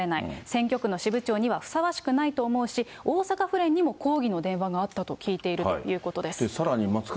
選挙区の支部長にはふさわしくないと思うし、大阪府連にも抗議の電話があったと聞いているということです。